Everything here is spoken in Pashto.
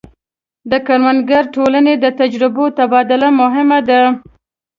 د کروندګرو ټولنې د تجربو تبادله مهمه ده.